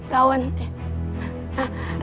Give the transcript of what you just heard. kamu ini teman